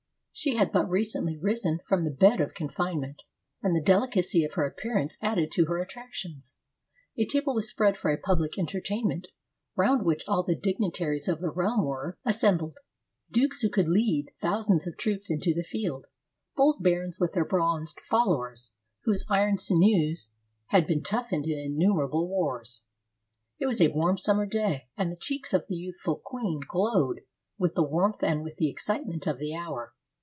She had but recently risen from the bed of confine ment, and the delicacy of her appearance added to her attractions. A table was spread for a public entertain ment, around which all the dignitaries of the realm were 322 HOW MARIA THERESA BECAME KING assembled — dukes who could lead thousands of troops into the field, bold barons with their bronzed followers, whose iron sinews had been toughened in innumerable wars. It was a warm summer day, and the cheeks of the youthful queen glowed with the warmth and with the excitement of the hour.